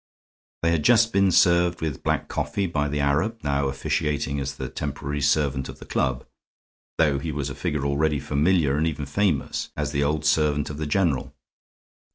They had just been served with black coffee by the Arab now officiating as the temporary servant of the club, though he was a figure already familiar, and even famous, as the old servant of the general.